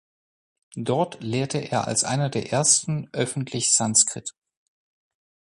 Dort lehrte er als einer der ersten öffentlich Sanskrit.